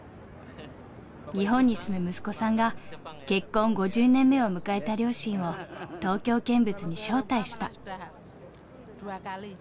日本に住む息子さんが結婚５０年目を迎えた両親を東京見物に招待した。